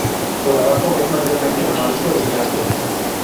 Por abajo es mayormente amarillo brillante.